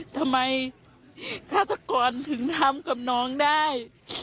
ทำไมฆาตกรถึงทำกับน้องได้